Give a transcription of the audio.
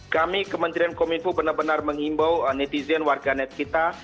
kami kementerian kominfo benar benar mengimbau netizen warga net kita